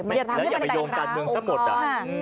แล้วอย่าไปโยงกันเรื่องสะบดอ่ะ